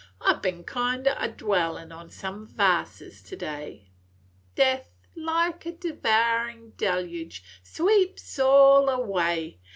I 've been kind o' dwellin' on some varses to day. – 'death, like a devourin' deluge, Sweeps all away.